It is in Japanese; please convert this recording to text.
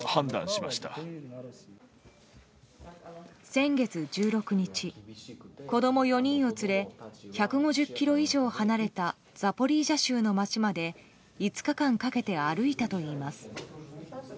先月１６日、子供４人を連れ１５０ｋｍ以上離れたザポリージャ州の街まで５日間かけて歩いたといいます。